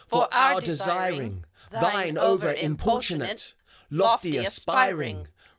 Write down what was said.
For our desiring, Thine over importunate Lofty aspiring!